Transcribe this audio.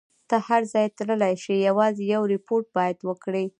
ته هر ځای تللای شې، یوازې یو ریپورټ باید وکړي.